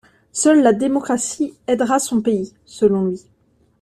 Seule la démocratie aidera son pays, selon lui.